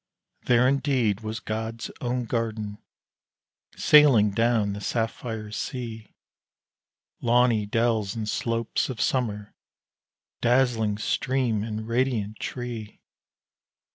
There indeed was God's own garden, sailing down the sapphire sea Lawny dells and slopes of summer, dazzling stream and radiant tree!